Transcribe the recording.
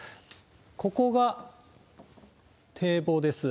ここが堤防です。